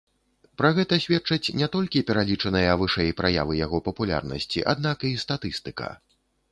Пра гэта сведчаць не толькі пералічаныя вышэй праявы яго папулярнасці, аднак і статыстыка.